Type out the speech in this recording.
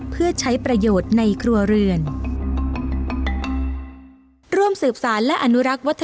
เพื่อใช้ประโยชน์ในครัวเรือน